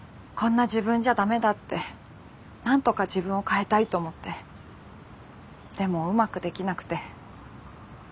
こんな自分じゃダメだってなんとか自分を変えたいと思ってでもうまくできなくて。